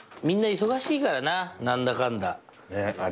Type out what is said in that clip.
みんな忙しいからな何だかんだ。